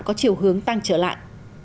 có chiều hướng tăng trở lại